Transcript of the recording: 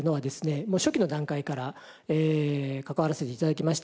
もう初期の段階から関わらせて頂きました。